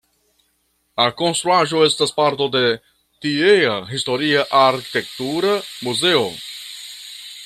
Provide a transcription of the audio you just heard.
La konstruaĵo estas parto de tiea Historia Arkitektura muzeo.